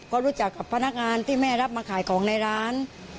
ก็รู้จักกับพนักงานที่แม่รับมาขายของในร้าน